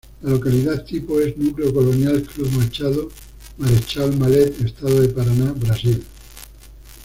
La localidad tipo es: Núcleo Colonial Cruz Machado, Marechal Mallet, Estado de Paraná, Brasil.